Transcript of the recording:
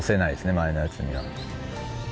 前のやつには。